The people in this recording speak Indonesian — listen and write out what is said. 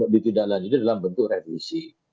ditindaklanjuti dalam bentuk revisi